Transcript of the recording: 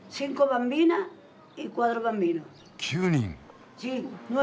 ９人！